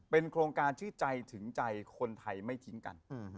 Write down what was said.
โครงการชื่อใจถึงใจคนไทยไม่ทิ้งกัน